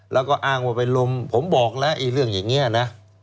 แล้วก็อ้างว่าเป็นลมผมบอกแล้วไอ้เรื่องอย่างนี้นะ